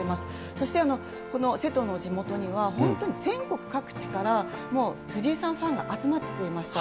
そして、この瀬戸の地元には、本当に全国各地から、もう藤井さんファンが集まっていました。